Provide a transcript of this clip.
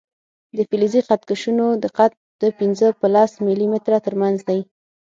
د فلزي خط کشونو دقت د پنځه په لس ملي متره تر منځ دی.